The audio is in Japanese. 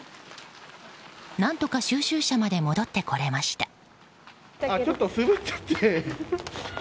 何とか、収集車まで戻ってこれました。